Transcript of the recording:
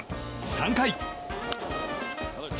３回。